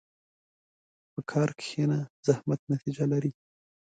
په کار کښېنه، زحمت نتیجه لري.